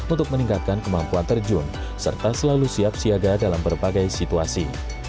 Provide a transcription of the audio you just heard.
untuk meningkatkan kemampuan terjun serta selalu siap siaga dalam berbagai situasi